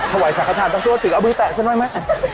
ถ้าไหวสาขนาดตั้งตัวถือเอามือแตะฉันไว้ไหม